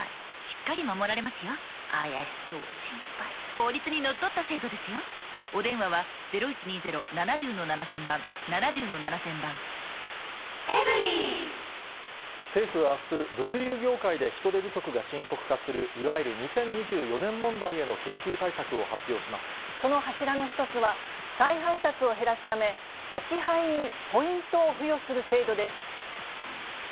これは、午前中指政府はあす、物流業界で人手不足が深刻化するいわゆる２０２４年問題への緊急その柱の一つは、再配達を減らすため、置き配にポイントを付与する制度です。